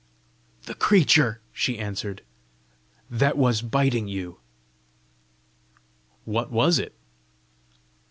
"The creature," she answered, "that was biting you." "What was it?"